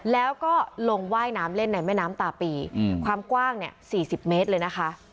แล้วก็ลงว่ายน้ำเล่นในแม่น้ำตาปีความกว้างเนี่ย๔๐เมตรเลยนะคะ